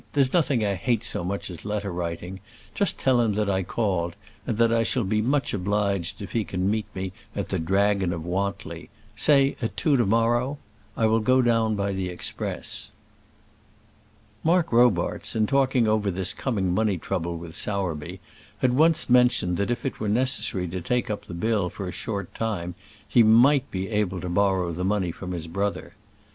There's nothing I hate so much as letter writing; just tell him that I called, and that I shall be much obliged if he can meet me at the Dragon of Wantly say at two to morrow. I will go down by the express." Mark Robarts, in talking over this coming money trouble with Sowerby, had once mentioned that if it were necessary to take up the bill for a short time he might be able to borrow the money from his brother.